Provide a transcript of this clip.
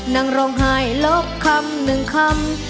นั่งร้องไห้ลบคำหนึ่งคำ